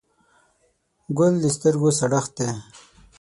ګل د سترګو سړښت دی.